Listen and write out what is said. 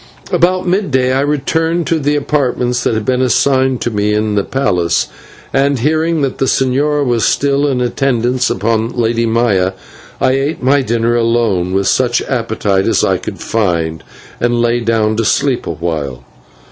About midday I returned to the apartments that had been assigned to me in the palace, and, hearing that the señor was still in attendance upon the Lady Maya, I ate my dinner alone with such appetite as I could find, and lay down to sleep awhile.